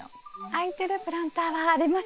空いてるプランターはありますね。